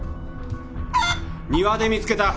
庭で見つけた。